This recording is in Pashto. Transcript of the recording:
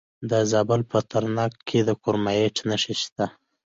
د زابل په ترنک کې د کرومایټ نښې شته.